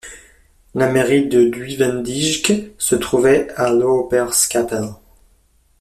La mairie de Duivendijke se trouvait à Looperskapelle.